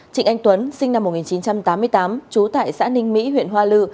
trịnh anh tuấn sinh năm một nghìn chín trăm tám mươi tám trú tại xã ninh mỹ huyện hoa lư